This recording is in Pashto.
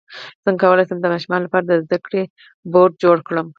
څنګه کولی شم د ماشومانو لپاره د زده کړې بورډ جوړ کړم